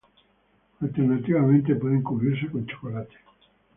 Alternativamente, pueden cubrirse con chocolate.